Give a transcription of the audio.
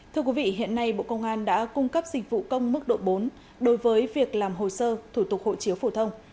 thưa quý vị hiện nay bộ công an đã cung cấp dịch vụ công mức độ bốn đối với việc làm hồ sơ thủ tục hộ chiếu phổ thông